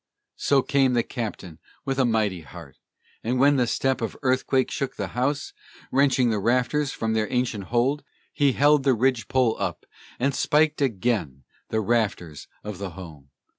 So came the Captain with a mighty heart: And when the step of Earthquake shook the house, Wrenching the rafters from their ancient hold, He held the ridgepole up, and spiked again The rafters of the Home.